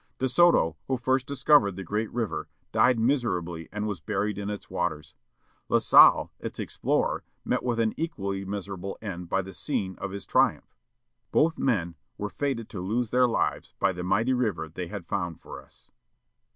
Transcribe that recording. De Soto, who first discovered the great river, died miserably and was buried in its waters. La Salle, its explorer, met with an equally miserable end by the scene of his triumph. Both men / were fated to lose their lives by the mighty river they had found for us.